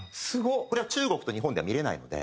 これは中国と日本では見れないので。